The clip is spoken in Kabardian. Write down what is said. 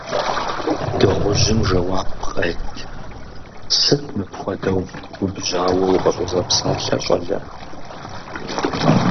Дыгъужьым жэуап къет: – Сыт мыпхуэдэу губжьауэ укъыщӀызэпсалъэр, щӀалэ.